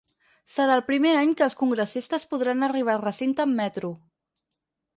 Serà el primer any que els congressistes podran arribar al recinte amb metro.